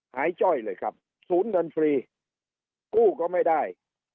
จ้อยเลยครับศูนย์เงินฟรีกู้ก็ไม่ได้